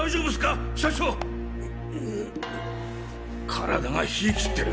体が冷え切ってる。